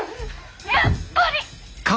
やっぱり！は？